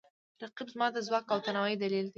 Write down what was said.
رقیب زما د ځواک او توانایي دلیل دی